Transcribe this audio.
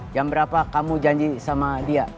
jam berapa kamu janji sama dia